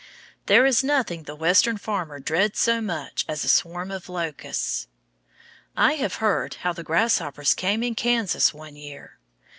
There is nothing the Western farmer dreads so much as a swarm of locusts. I have heard how the grasshoppers came in Kansas one year.